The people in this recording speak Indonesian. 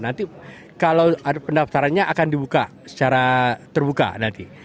nanti kalau pendaftarannya akan dibuka secara terbuka nanti